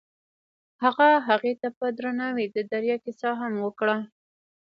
هغه هغې ته په درناوي د دریا کیسه هم وکړه.